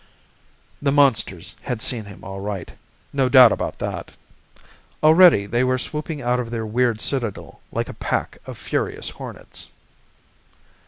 The monsters had seen him, all right no doubt about that! Already they were swooping out of their weird citadel like a pack of furious hornets.